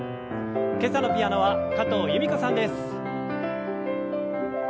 今朝のピアノは加藤由美子さんです。